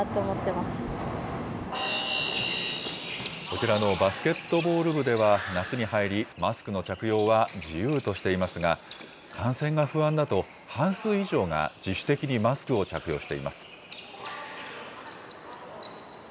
こちらのバスケットボール部では、夏に入り、マスクの着用は自由としていますが、感染が不安だと半数以上が自主的にマスクを着用しています。